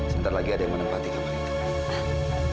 sebentar lagi ada yang menempati kamar itu